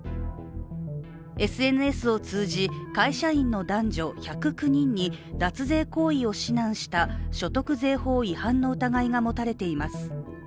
ＳＮＳを通じ、会社員の男女１０９人に脱税行為を指南した所得税法違反の疑いが持たれています。